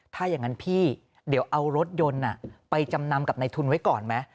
ถ้าอย่างนั้นพี่เดี๋ยวเอารถยนต์ไปจำนำกับในทุนไว้ก่อนไหม